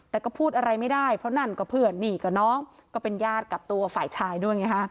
แต่ก็พูดอะไรไม่ได้เพราะนั่นก็เพื่อนนี่กับน้องก็เป็นญาติกับตัวฝ่ายชายด้วยไงฮะ